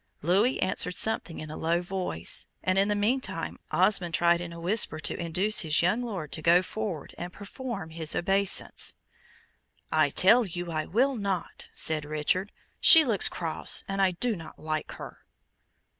Louis answered something in a low voice, and, in the meantime, Osmond tried in a whisper to induce his young Lord to go forward and perform his obeisance. "I tell you I will not," said Richard. "She looks cross, and I do not like her."